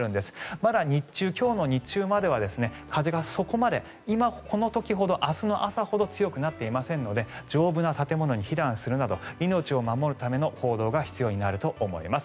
まだ今日の日中までは風がそこまで、今この時ほど明日の朝ほど強くなっていないので丈夫な建物に避難するなど命を守るための行動が必要になると思います。